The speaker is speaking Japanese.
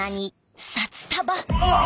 あっ！